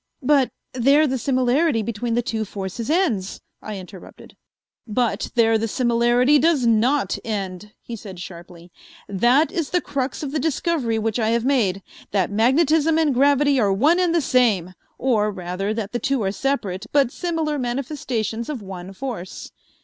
"But there the similarity between the two forces ends," I interrupted. "But there the similarity does not end," he said sharply. "That is the crux of the discovery which I have made: that magnetism and gravity are one and the same, or, rather, that the two are separate, but similar manifestations of one force.